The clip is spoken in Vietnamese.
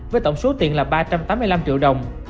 với tổng số tiền là ba trăm tám mươi năm triệu đồng